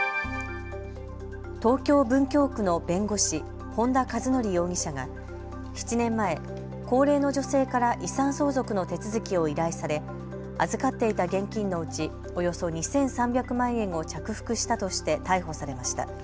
東京文京区の弁護士、本田一則容疑者が７年前、高齢の女性から遺産相続の手続きを依頼され預かっていた現金のうちおよそ２３００万円を着服したとして逮捕されました。